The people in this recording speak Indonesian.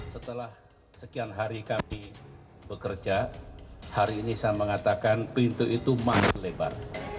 setelah sekian hari kami bekerja hari ini saya mengatakan pintu itu makin lebar